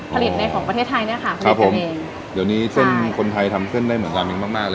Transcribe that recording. ผลิตในของประเทศไทยเนี่ยค่ะครับผมเดี๋ยวนี้เส้นคนไทยทำเส้นได้เหมือนราเมงมากมากเลย